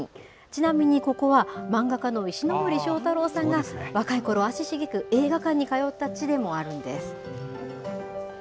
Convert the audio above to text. ちなみにここは、漫画家の石ノ森章太郎さんが若いころ、足しげく映画館に通った地でもあるんです。